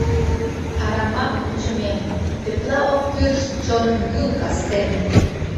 Арамак вучымем Тетла ок кӱрышт чоным гӱл кастен.